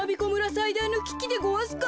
さいだいのききでごわすか。